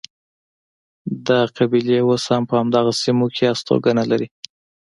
دا قبیلې اوس هم په همدغو سیمو کې هستوګنه لري.